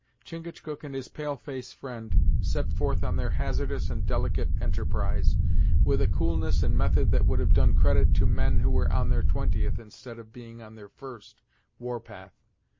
Chingachgook and his pale face friend set forth on their hazardous and delicate enterprise, with a coolness and method that would have done credit to men who were on their twentieth, instead of being on their first, war path.